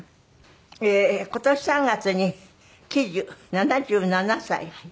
今年３月に喜寿７７歳。